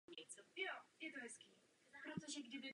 Turnaje se neúčastnil žádný zahraniční celek.